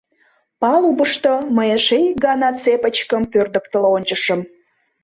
Палубышто мый эше ик гана цепычкым пӧрдыктыл ончышым.